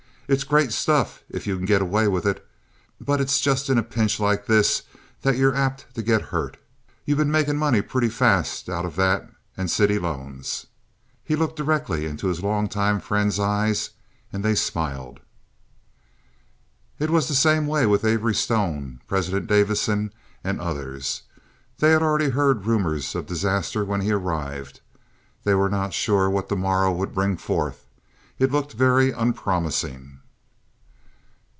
It's great stuff if you can get away with it, but it's just in a pinch like this that you're apt to get hurt. You've been making money pretty fast out of that and city loans." He looked directly into his long time friend's eyes, and they smiled. It was the same with Avery Stone, President Davison, and others. They had all already heard rumors of disaster when he arrived. They were not sure what the morrow would bring forth. It looked very unpromising.